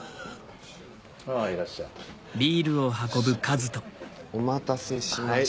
あぁいらっしゃい。お待たせしました。